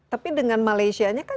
tapi dengan malaysia